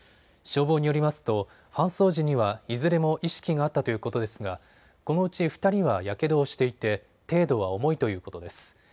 消防によりますと搬送時にはいずれも意識があったということですがこのうち２人はやけどをしていて、程度は重いということです。